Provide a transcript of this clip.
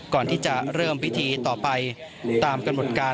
ก่อนที่จะเริ่มพิธีต่อไปตามกำหนดการ